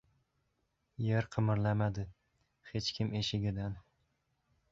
Yer qimirlamadi, hech kim eshigidan